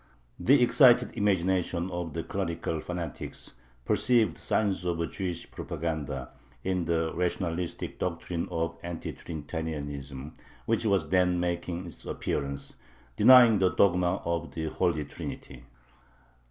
The excited imagination of the clerical fanatics perceived signs of a "Jewish propaganda" in the rationalistic doctrine of "Anti Trinitarianism," which was then making its appearance, denying the dogma of the Holy Trinity.